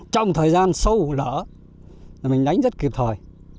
trong thời gian sâu lở mình đánh rất kịp thời